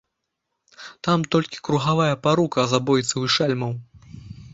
Там толькі кругавая парука забойцаў і шэльмаў.